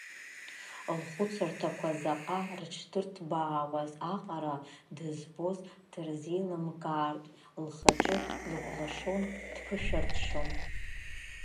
Лхәыцырҭақәа заҟа рыҽдырҭбаауаз аҟара, дызбоз дырзеилымкаартә, лхаҿы лықәлашон, дԥышәырччон.